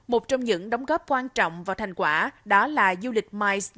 một trong những đóng góp quan trọng vào thành quả đó là du lịch mice